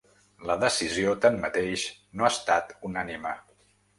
La decisió, tanmateix, no ha estat unànime.